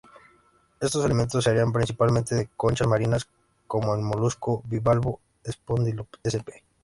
Estos elementos se harían principalmente de conchas marinas como el molusco bivalvo Spondylus sp.